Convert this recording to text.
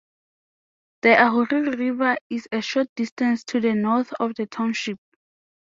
The Ahuriri River is a short distance to the north of the township.